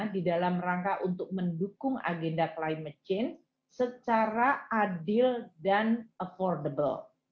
di dalam rangka untuk mendukung agenda climate change secara adil dan affordable